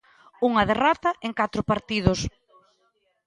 Unha derrota en catro partidos.